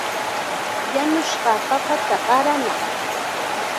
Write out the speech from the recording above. Yanushqa papata qaranaaq.